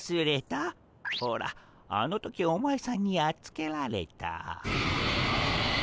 ほらあの時お前さんにやっつけられた。